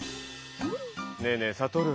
ねぇねぇサトル！